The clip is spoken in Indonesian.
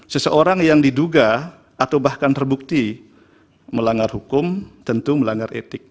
seseorang yang diduga atau bahkan terbukti melanggar hukum tentu melanggar etik